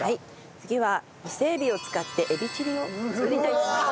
次は伊勢エビを使ってエビチリを作りたいと思います。